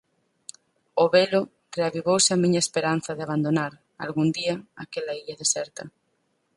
Ó velo, reavivouse a miña esperanza de abandonar, algún día, aquela illa deserta.